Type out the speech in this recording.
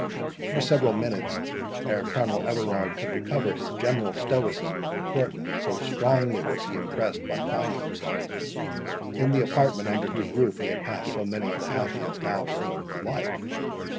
It was several minutes ere Colonel Everard could recover his general stoicism of deportment, so strongly was he impressed by finding himself in the apartment, under whose roof he had passed so many of the happiest hours of his life.